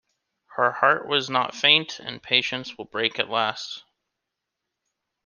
Her heart was not faint, and patience will break at last.